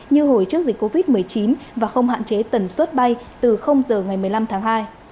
như hồi trước dịch covid một mươi chín và không hạn chế tần suất bay từ giờ ngày một mươi năm tháng hai